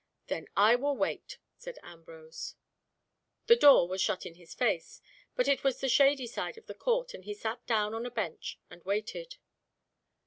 "Then I will wait," said Ambrose. The door was shut in his face, but it was the shady side of the court, and he sat down on a bench and waited.